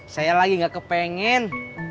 saya lagi gak kepengen